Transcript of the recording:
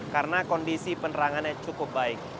karena kondisi penerangannya cukup baik